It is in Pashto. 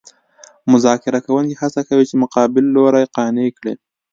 مذاکره کوونکي هڅه کوي چې مقابل لوری قانع کړي